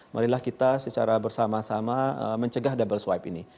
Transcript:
marilah kita secara bersama sama mencegah double swipe ini